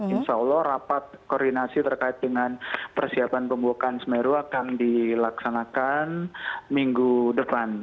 insya allah rapat koordinasi terkait dengan persiapan pembukaan semeru akan dilaksanakan minggu depan